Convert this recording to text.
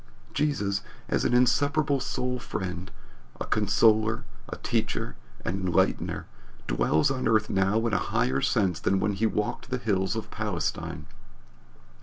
Jesus, as an inseparable soul friend a consoler, a teacher, an enlightener dwells on earth now in a higher sense than when he walked the hills of Palestine.